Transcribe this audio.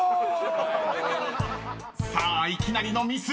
［さあいきなりのミス。